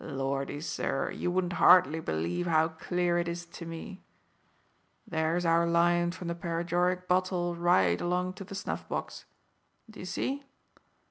Lordy, sir, you wouldn't hardly believe how clear it is to me. There's our line from the paregoric bottle right along to the snuff box. D'ye see?